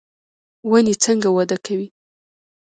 ونې څنګه وده کوي؟